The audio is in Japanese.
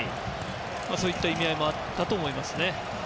そういった意味合いもあったと思います。